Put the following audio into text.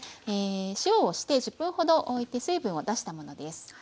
塩をして１０分ほどおいて水分を出したものです。